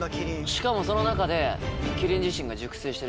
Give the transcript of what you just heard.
しかもその中で。